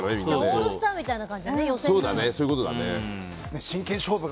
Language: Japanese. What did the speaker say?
オールスターみたいな感じだね予選が。